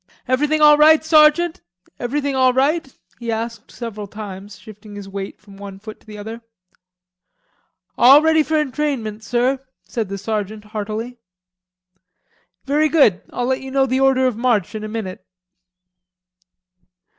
"Everything all right, sergeant? Everything all right?" he asked several times, shifting his weight from one foot to the other. "All ready for entrainment, sir," said the sergeant heartily. "Very good, I'll let you know the order of march in a minute."